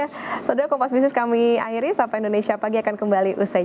ya semoga kompas bisnis kami akhiri sapa indonesia pagi akan kembali usai